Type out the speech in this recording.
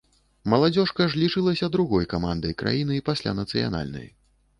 Маладзёжка ж лічылася другой камандай краіны, пасля нацыянальнай.